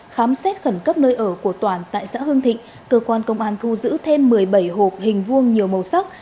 khám xét khẩn cấp nơi ở của toản tại xã hưng thịnh cơ quan công an thu giữ thêm một mươi bảy hộp hình vuông nhiều màu sóc